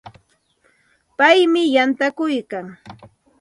Paymi yantakuykan.